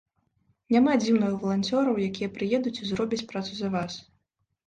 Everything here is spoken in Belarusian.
Няма дзіўных валанцёраў, якія прыедуць і зробяць працу за вас.